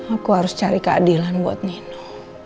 aku harus cari keadilan buat neno